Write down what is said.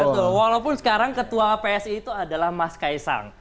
betul walaupun sekarang ketua psi itu adalah mas kaisang